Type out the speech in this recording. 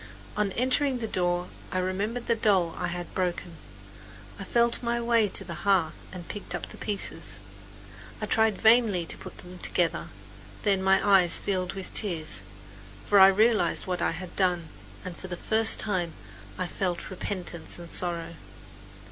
On entering the door I remembered the doll I had broken. I felt my way to the hearth and picked up the pieces. I tried vainly to put them together. Then my eyes filled with tears; for I realized what I had done, and for the first time I felt repentance and sorrow.